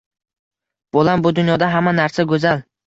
Bolam bu dunyoda hamma narsa goʻzal